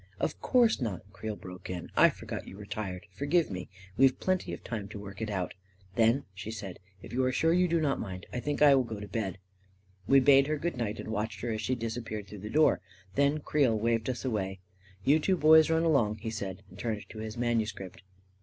" Of course not," Creel broke in. " I forgot you were tired. Forgive me ! We've plenty of time to work it out." " Then," she said, " if you are sure you do not mind, I think I will go to bed." We bade her good night and watched her as she disappeared through the door. Then Creel waved us away. 11 You two boys run along," he said, and turned to bis manuscript.